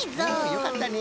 よかったね。